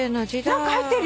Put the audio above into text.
何か入ってるよ。